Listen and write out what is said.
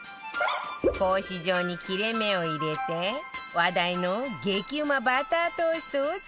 格子状に切れ目を入れて話題の激うまバタートーストを作ってみるわよ